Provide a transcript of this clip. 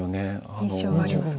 印象がありますが。